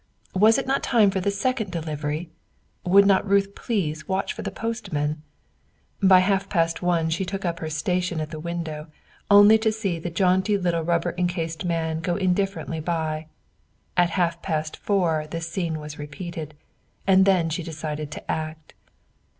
Was it not time for the second delivery? Would not Ruth please watch for the postman? By half past one she took up her station at the window only to see the jaunty little rubber encased man go indifferently by. At half past four this scene was repeated, and then she decided to act.